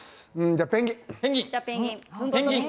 じゃあペンギン。